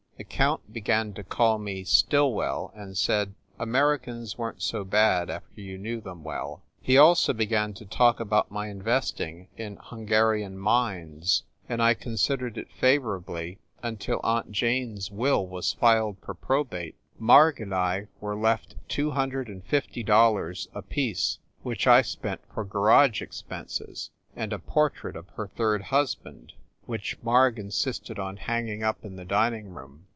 The count began to call me Stillwell and said Americans weren t so bad after you knew them well. He also began to talk about my investing in Hungarian mines, and I con 224 FIND THE WOMAN sidered it favorably until Aunt Jane s will was filed for probate. Marg and I were left two hundred and fifty dollars apiece, which I spent for garage ex penses, and a portrait of her third husband, which Marg insisted on hanging up in the dining room.